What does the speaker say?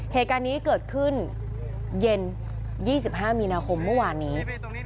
เหตุการณ์นี้เกิดขึ้นเย็น๒๕มีนาคมเมื่อวานนี้